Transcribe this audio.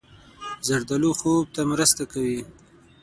زردالو خوب ته مرسته کوي.